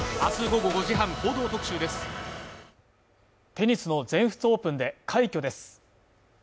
テニスの全仏オープンで快挙です。